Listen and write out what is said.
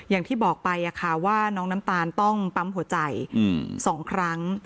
อย่างที่บอกไปว่าน้องน้ำตาลต้องปั๊มหัวใจ๒ครั้ง